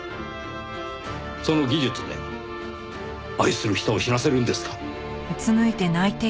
その技術で愛する人を死なせるんですか？